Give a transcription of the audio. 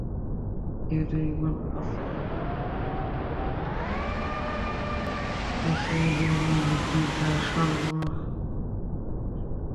যেহেতু ইবন আসাকীর-এর ইতিহাস গ্রন্থটি হল এ সিরিজের মূল ভিত্তি যা সর্বমহলে সুপরিচিত।